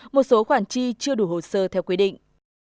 một số khoản chi chưa đủ hồ sơ theo quy định